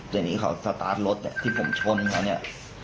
แต่นี่เขาสตาร์ทรถที่ผมชนเขาเนี่ย